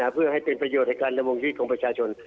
เพื่อให้เป็นประโยชน์ให้การละมงผิดของประชาชน